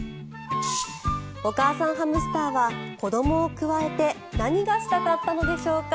お母さんハムスターは子どもをくわえて何がしたかったのでしょうか。